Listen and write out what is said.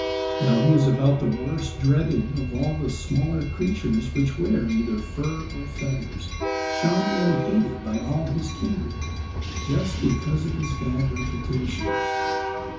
Now he is about the worst dreaded of all the smaller creatures which wear either fur or feathers, shunned and hated by all his kindred, just because of his bad reputation.